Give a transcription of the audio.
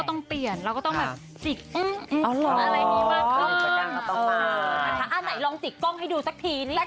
โอ้สิตตี้อีก